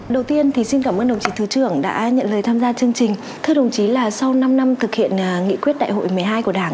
đầu tiên thì xin cảm ơn đồng chí thứ trưởng đã nhận lời tham gia chương trình thưa đồng chí là sau năm năm thực hiện nghị quyết đại hội một mươi hai của đảng